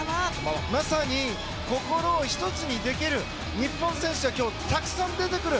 まさに心を一つにできる日本選手が今日、たくさん出てくる。